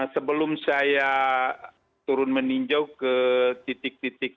sebelum saya turun meninjau ke titik titik